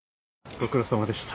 ご苦労さまでした。